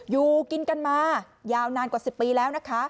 อยู่กินกันมายาวนานกว่า๑๐ปีแล้วนะคะ